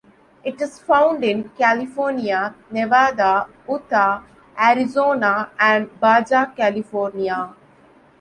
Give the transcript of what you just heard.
It is found in California, Nevada, Utah, Arizona, and Baja California.